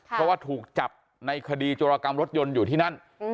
เพราะว่าถูกจับในคดีโจรกรรมรถยนต์อยู่ที่นั่น